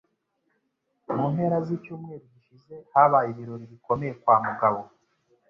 Mu mpera zicyumweru gishize habaye ibirori bikomeye kwa Mugabo.